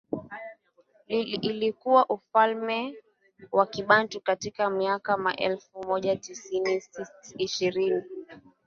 lilikuwa ufalme wa Kibantu katika miaka elfu moja Mia sits ishirini